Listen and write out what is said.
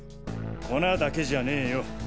粉だけじゃねぇよ。